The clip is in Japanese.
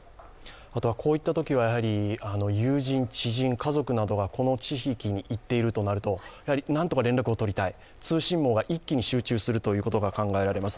あとはこういったときは友人、知人、家族などがこの地域に行っているとなるとなんとか連絡を取りたい通信網が一気に集中するということが考えられます。